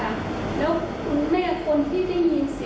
อย่างคุณแม่คุณแม่ที่คุณ